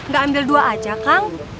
gak ambil dua aja kang